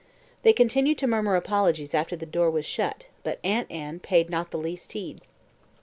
They continued to murmur apologies after the door was shut; but Aunt Anne paid not the least heed.